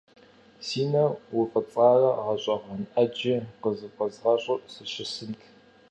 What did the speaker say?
Си нэр уфӏыцӏарэ гъэщӏэгъуэн ӏэджи къызыфӏэзгъэщӏу сыщысынт.